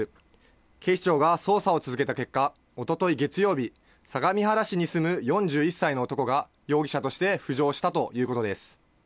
警視庁が捜査を続けた結果、一昨日月曜日、相模原市に住む４１歳の男が容疑者として浮上したということです。